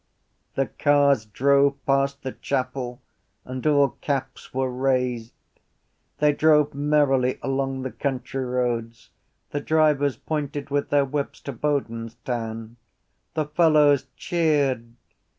The cars drove past the chapel and all caps were raised. They drove merrily along the country roads. The drivers pointed with their whips to Bodenstown. The fellows cheered.